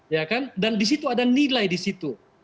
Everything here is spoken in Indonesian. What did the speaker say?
ya kan dan di situ ada nilai di situ